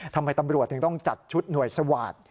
ทำไมตำรวจถึงต้องจัดชุดหน่วยสวาสตร์